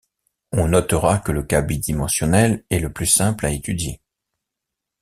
On notera que le cas bi-dimensionnel est le plus simple à étudier.